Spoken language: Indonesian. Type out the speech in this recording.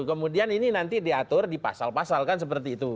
kemudian ini nanti diatur di pasal pasal kan seperti itu